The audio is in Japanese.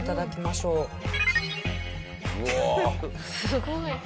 すごい。何？